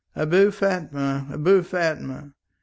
"Abou Fatma! Abou Fatma!"